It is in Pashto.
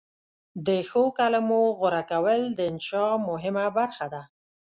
د ښو کلمو غوره کول د انشأ مهمه برخه ده.